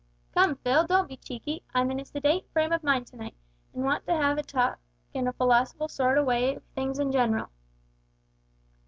"Come, Phil, don't be cheeky. I'm in a sedate frame of mind to night, an' want to have a talk in a philosophical sort o' way of things in general."